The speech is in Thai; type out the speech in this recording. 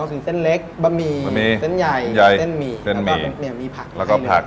ของสีเส้นเล็กบะมีเส้นใหญ่เส้นหมีและภักรณ์